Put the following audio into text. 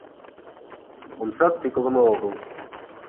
Омсат тӱкылымӧ огыл.